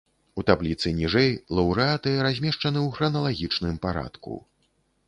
У табліцы ніжэй лаўрэаты размешчаны ў храналагічным парадку.